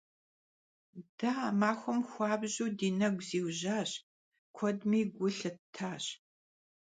De a maxuem xuabju di negu ziujaş, kuedmi gu lhıttaş.